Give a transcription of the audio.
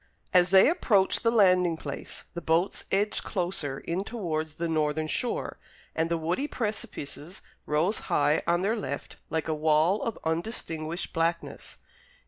As they approached the landing place, the boats edged closer in towards the northern shore, and the woody precipices rose high on their left like a wall of undistinguished blackness.